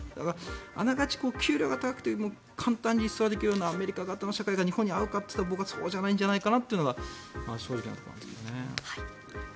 あながち給料が高くて簡単にリストラできるようなアメリカ型の社会が日本に合うかといったら僕はそうじゃないんじゃないかなっていうのが正直なところなんです。